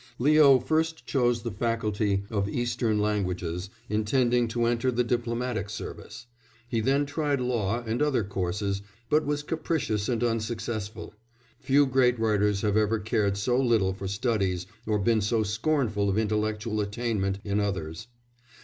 Leo first chose the faculty of Eastern languages, intending to enter the diplomatic service; he then tried law and other courses, but was capricious and unsuccessful; few great writers have ever cared so little for studies or been so scornful of intellectual attainment in others.